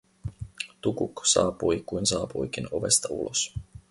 Tukuk saapui kuin saapuikin ovesta ulos.